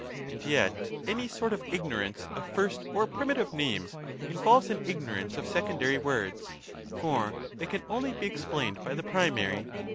And yet any sort of ignorance of first or primitive names involves an ignorance of secondary words ; for they can only be explained by the primary.